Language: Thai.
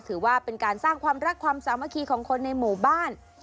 ถือว่าเป็นการสร้างความรักความสามัคคีของคนในหมู่บ้าน